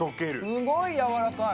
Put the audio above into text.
すごいやわらかい。